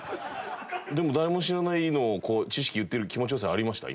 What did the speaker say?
でも誰も知らないのをこう知識を言ってる気持ち良さありました？